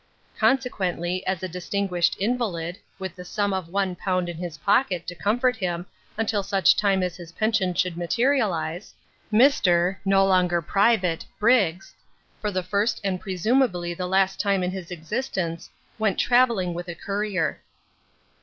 Consequently, as a distinguished invalid (with the sum of one pound in his pocket to comfort him until such time as his pension should materialise), Mister no longer Private Briggs, for the first and presumably the last time in his existence, went travelling with a courier.